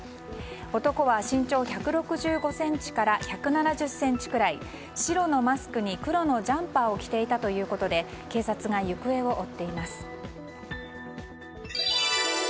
男は身長１６５ｃｍから１７０ｃｍくらい白のマスクに黒のジャンパーを着ていたということで警察が行方を追っています。